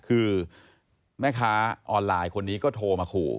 คือแม่ค้าออนไลน์คนนี้ก็โทรมาขู่